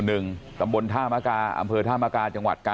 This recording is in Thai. พ่อเชื่อไหมว่าลูกเราจะทำ